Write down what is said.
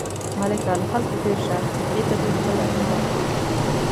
ملکه له خلکو تېر شه، دې ته دې خپل اپین ورکړي.